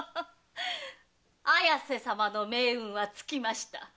綾瀬様の命運は尽きました。